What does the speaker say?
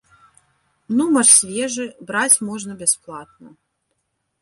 Нумар свежы, браць можна бясплатна.